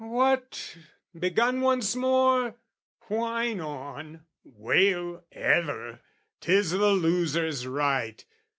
"What, begun once more? "Whine on, wail ever, 'tis the loser's right!"